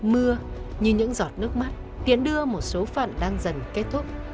mưa như những giọt nước mắt tiện đưa một số phận đang dần kết thúc